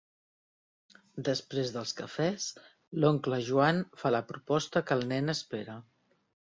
Després dels cafès l'oncle Joan fa la proposta que el nen espera.